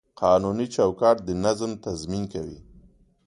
قانوني چوکاټ د نظم تضمین کوي.